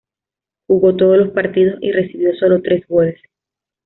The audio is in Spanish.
Jugó todos los partidos y recibió solo tres goles.